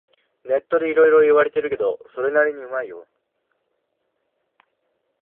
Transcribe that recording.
ネットでいろいろ言われてるけど、それなりにうまいよ